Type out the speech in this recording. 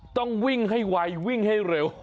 ต้องวิ่งให้ไววิ่งให้เร็ว